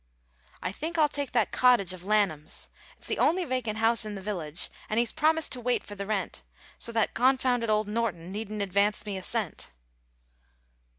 "I think I'll take that cottage of Lanham's; it's the only vacant house in the village, and he's promised to wait for the rent, so that confounded old Norton needn't advance me a cent."